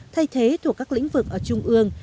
thay thế thuộc các lĩnh vực ở trung ương